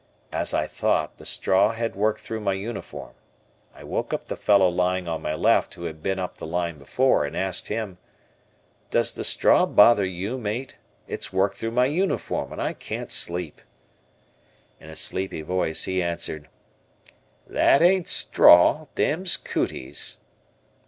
As I thought, the straw had worked through my uniform. I woke up the fellow lying on my left, who had been up the line before, and asked him. "Does the straw bother you, mate? It's worked through my uniform and I can't sleep." In a sleepy voice, he answered, "That ain't straw, them's cooties."